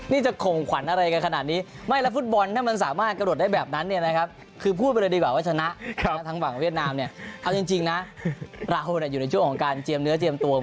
นี่จะข่งขวัญอะไรกันขนาดนี้ไม่แล้วฟุตบอลถ้ามันสามารถกระโดดได้แบบนั้นเนี่ยนะครับ